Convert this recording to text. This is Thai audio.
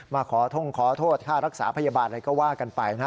มาขอท่งขอโทษค่ารักษาพยาบาลอะไรก็ว่ากันไปนะ